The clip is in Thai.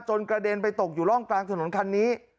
กระเด็นไปตกอยู่ร่องกลางถนนคันนี้